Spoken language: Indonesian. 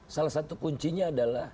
salah satu kuncinya adalah